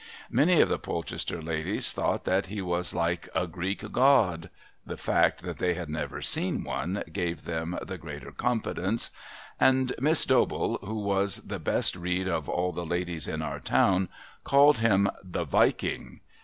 Many of the Polchester ladies thought that he was like "a Greek God" (the fact that they had never seen one gave them the greater confidence), and Miss Dobell, who was the best read of all the ladies in our town, called him "the Viking."